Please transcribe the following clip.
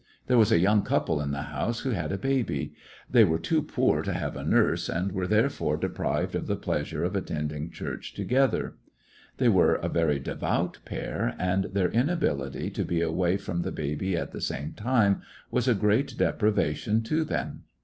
There was a young couple in the house who had a baby. They were too poor to have a nurse, and were therefore de prived of the pleasure of attending church together. They were a very devout pair, and 156 baby Missionary in t§e Great West their inability to be away from the baby at the same time was a great deprivation to them.